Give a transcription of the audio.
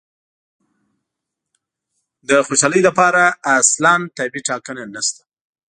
د خوشالي لپاره اصلاً طبیعي ټاکنه نشته.